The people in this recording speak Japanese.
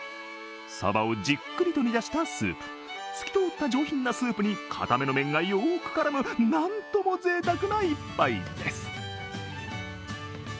サバをじっくりと煮出したスープ、透き通った上品なスープにかための麺がよく絡むなんともぜいたくな一杯です。